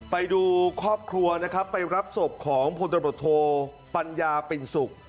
ไปดูครอบครัวนะครับไปรับศพของพลตำรวจโทปัญญาปิ่นสุข